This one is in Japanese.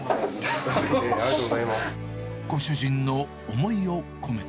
ご主人の思いを込めて。